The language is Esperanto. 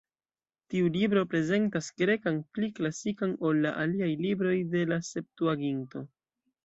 Tiu libro prezentas grekan pli klasikan ol la aliaj libroj de la Septuaginto.